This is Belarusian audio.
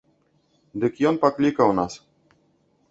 Дык ён паклікаў нас.